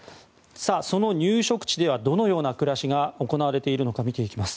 その入植地ではどのような暮らしが行われているのか見ていきます。